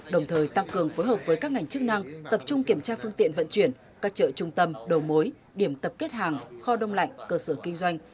đồng thời tăng cường phối hợp với các ngành chức năng tập trung kiểm tra phương tiện vận chuyển các chợ trung tâm đầu mối điểm tập kết hàng kho đông lạnh cơ sở kinh doanh